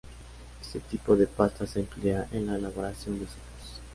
Este tipo de pasta se emplea en la elaboración de sopas.